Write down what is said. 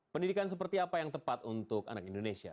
pendidikan seperti apa yang tepat untuk anak indonesia